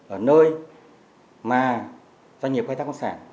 ở nơi mà doanh nghiệp khoai thác khoáng sản